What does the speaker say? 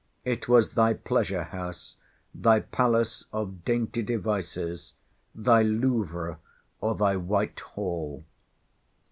It was thy Pleasure House, thy Palace of Dainty Devices; thy Louvre, or thy White Hall.